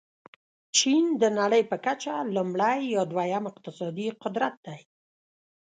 چین د نړۍ په کچه لومړی یا دوم اقتصادي قدرت دی.